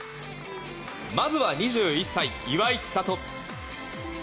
まずは２１歳、岩井千怜。